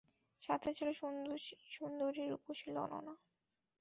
সাথে ছিল সুন্দরী-রূপসী ললনা।